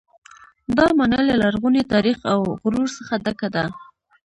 دا ماڼۍ له لرغوني تاریخ او غرور څخه ډکه ده.